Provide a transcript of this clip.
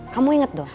kamu inget dong